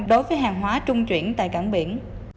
đối với hàng hóa trung chuyển tại cảng biển